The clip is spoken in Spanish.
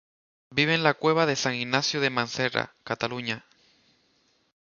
Vive en la Cueva de San Ignacio en Manresa, Cataluña.